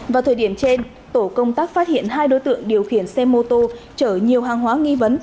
vào thời điểm trên tổ công tác phát hiện hai đối tượng điều khiển xe mô tô chở nhiều hàng hóa nghi vấn